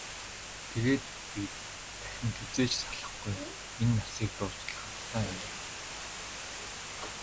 Тэгээд бид дахин хэзээ ч салахгүй, энэ насыг дуустал хамтдаа амьдарна.